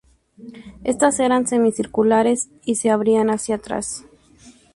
Estas eran semicirculares y se abrían hacia atrás.